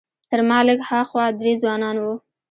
تر ما لږ ها خوا درې ځوانان وو.